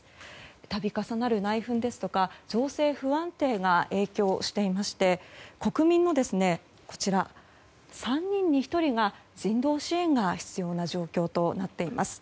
度重なる内紛ですとか情勢の不安定が影響していまして国民の３人に１人が人道支援が必要な状況となっています。